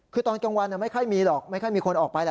คือตอนกลางวันไม่ค่อยมีหรอกไม่ค่อยมีคนออกไปแล้ว